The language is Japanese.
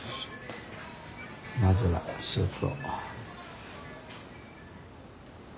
まずはスープを。